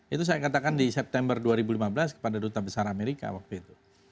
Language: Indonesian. itu saya katakan di september dua ribu lima belas kepada duta besar amerika waktu itu